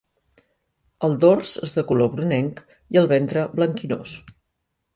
El dors és de color brunenc i el ventre blanquinós.